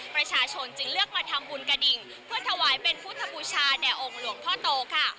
ประชาชนจึงเลือกมาทำบุญกระดิ่งเพื่อถวายเป็นพุทธบูชาแด่องค์หลวงพ่อโตค่ะ